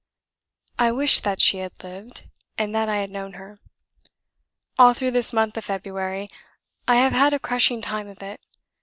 I wished that she had lived, and that I had known her. ... All through this month of February, I have had a crushing time of it.